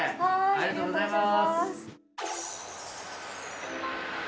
ありがとうございます。